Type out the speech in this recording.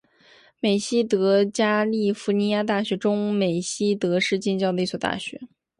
美熹德加利福尼亚大学中美熹德市近郊的一所大学。